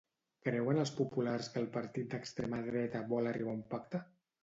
Creuen els populars que el partit d'extrema dreta vol arribar a un pacte?